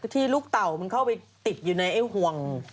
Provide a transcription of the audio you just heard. ที่ลูกเต่ามันเข้าไปติดอยู่ในไอ้ห่วง